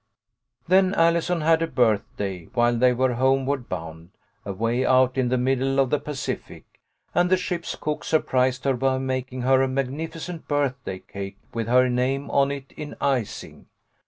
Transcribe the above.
"Then Allison had a birthday, while they were homeward bound, away out in the middle of the Pacific, and the ship's cook surprised her by making her a magnificent birthday cake with her name on it in icing.